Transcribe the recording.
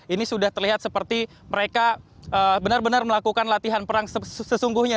ini sudah terlihat seperti mereka benar benar melakukan latihan perang sesungguhnya